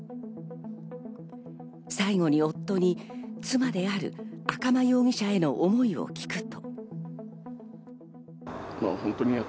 最後に夫に、妻である赤間容疑者への思いを聞くと。